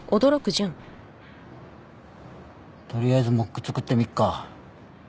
とりあえずモック作ってみっか。